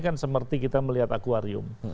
kan seperti kita melihat akwarium